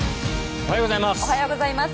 おはようございます。